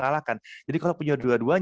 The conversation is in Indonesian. kita harus memilih laptop yang lebih baik